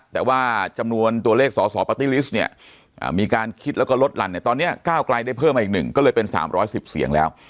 แต่ว่าจำนวนตัวเลขสสปาร์ตี้ลิสต์เนี่ยมีการคิดแล้วก็ลดหลั่นเนี่ยตอนนี้ก้าวไกลได้เพิ่มมาอีกหนึ่งก็เลยเป็น๓๑๐เสียงแล้ว